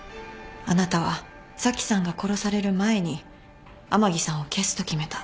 あなたは紗季さんが殺される前に甘木さんを消すと決めた。